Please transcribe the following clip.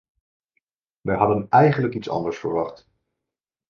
Wij hadden eigenlijk iets anders verwacht.